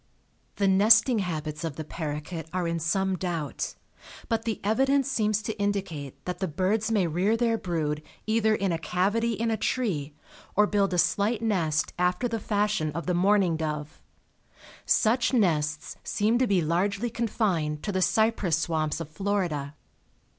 The nesting habits of the paroquet are in some doubt, but the evidence seems to indicate that the birds may rear their brood either in a cavity in a tree or build a slight nest after the fashion of the mourning dove. Such nests seem to be largely confined to the cypress swamps of Florida.